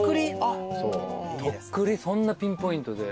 徳利そんなピンポイントで？